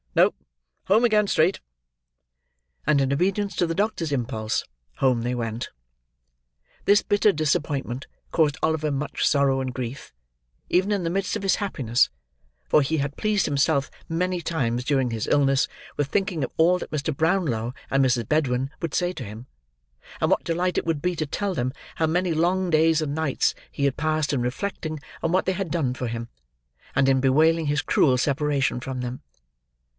No; home again straight!" And in obedience to the doctor's impulse, home they went. This bitter disappointment caused Oliver much sorrow and grief, even in the midst of his happiness; for he had pleased himself, many times during his illness, with thinking of all that Mr. Brownlow and Mrs. Bedwin would say to him: and what delight it would be to tell them how many long days and nights he had passed in reflecting on what they had done for him, and in bewailing his cruel separation from them.